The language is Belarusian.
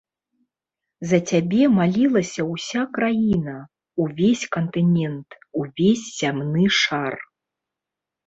За цябе малілася ўся краіна, увесь кантынэнт, увесь зямны шар!